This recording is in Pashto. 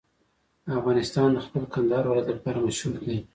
افغانستان د خپل کندهار ولایت لپاره مشهور دی.